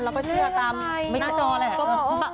เราก็เชื่อตามหน้าจอแหละ